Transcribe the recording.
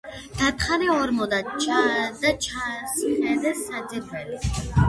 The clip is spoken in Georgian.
გათხარეს ორმო და ჩაასხეს საძირკველი.